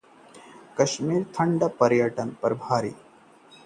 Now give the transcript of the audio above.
कश्मीर में कड़ाके की ठंड से पर्यटन पर भारी असर